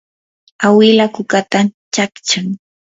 awila kukatan chaqchan.